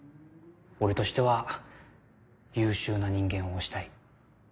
俺としては優秀な人間を推したい。